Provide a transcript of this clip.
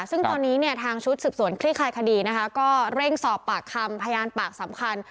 ซึ่งตอนนี้เนี่ยทางชุดสืบสวนคลี่คลายคดีนะคะก็เร่งสอบปากคำพยานปากสำคัญ